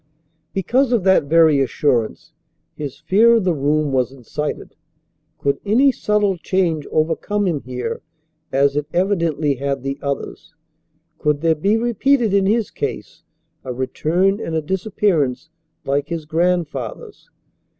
Because of that very assurance his fear of the room was incited. Could any subtle change overcome him here as it evidently had the others? Could there be repeated in his case a return and a disappearance like his grandfather's?